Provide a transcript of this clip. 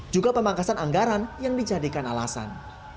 juga pemangkasan anggaran yang dijadikan alasan